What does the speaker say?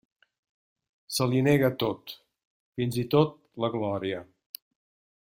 Se li nega tot, fins i tot la glòria.